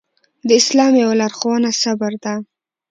د اسلام يوه لارښوونه صبر ده.